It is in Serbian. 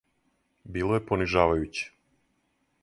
Било је понижавајуће.